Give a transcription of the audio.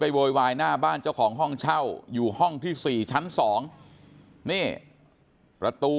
โวยวายหน้าบ้านเจ้าของห้องเช่าอยู่ห้องที่๔ชั้น๒นี่ประตู